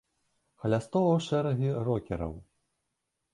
Хлястова ў шэрагі рокераў!